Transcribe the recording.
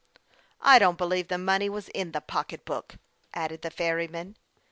" I don't believe the money was in the pocket," added the ferryman.